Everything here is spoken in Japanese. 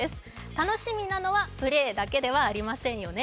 楽しみなのは、プレーだけではありませんよね。